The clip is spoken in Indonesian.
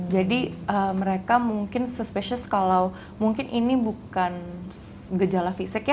jadi mereka mungkin suspicious kalau mungkin ini bukan gejala fisik ya